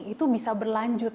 itu bisa berlanjut